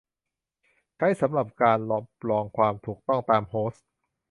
ใช้สำหรับการรับรองความถูกต้องตามโฮสต์